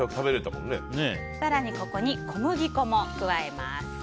更にここに小麦粉も加えます。